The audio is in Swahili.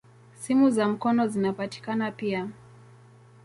Simu za mkono zinapatikana pia.